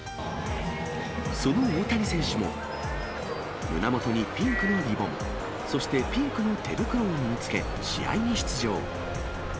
その大谷選手も、胸元にピンクのリボン、そしてピンクの手袋を身につけ、試合に出場。